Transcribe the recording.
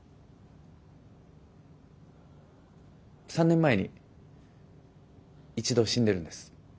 ３年前に一度死んでるんです。